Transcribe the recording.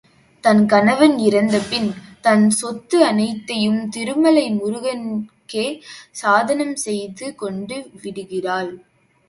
தன் கணவன் இறந்த பின் தன் சொத்து அத்தனையையும் திருமலை முருகனுக்கே சாஸனம் செய்து கொடுத்து விடுகிறாள்.